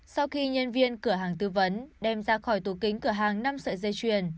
sau khi nhân viên cửa hàng tư vấn đem ra khỏi tù kính cửa hàng năm sợi dây chuyển